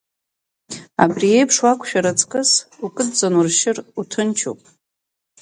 Абри еиԥш уақәшәар аҵкыс, укыдҵаны уршьыр уҭынчуп.